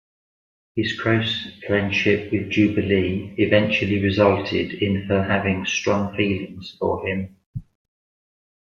His close friendship with Jubilee eventually resulted in her having strong feelings for him.